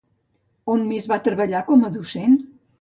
On més va treballar com a docent?